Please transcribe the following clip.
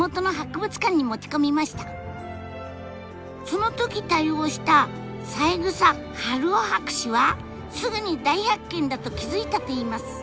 その時対応した三枝春生博士はすぐに大発見だと気付いたといいます。